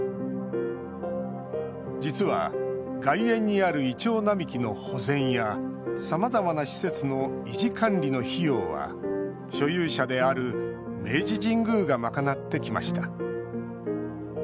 実は、外苑にあるイチョウ並木の保全やさまざまな施設の維持管理の費用は所有者である明治神宮が賄ってきました。